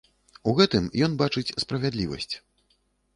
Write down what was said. У гэтым ён бачыць справядлівасць.